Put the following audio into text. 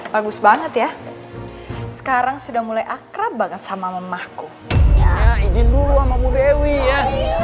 bagus banget ya sekarang sudah mulai akrab banget sama mamahku ijin dulu sama mubewi ya